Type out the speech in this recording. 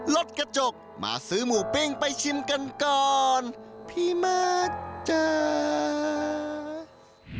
รถกระจกมาซื้อหมูปิ้งไปชิมกันก่อนพี่มาเจอ